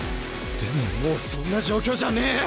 でももうそんな状況じゃねえ！